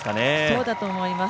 そうだと思います。